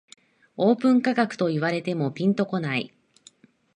オープン価格と言われてもピンとこない